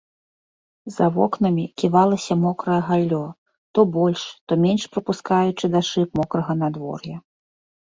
За вокнамі ківалася мокрае галлё, то больш, то менш прапускаючы да шыб мокрага надвор'я.